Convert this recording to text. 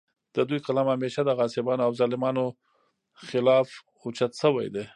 د دوي قلم همېشه د غاصبانو او ظالمانو خالف اوچت شوے دے